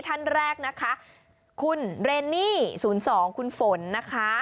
ท่านแรกนะคะคุณเรนนี่๐๒คุณฝนนะคะ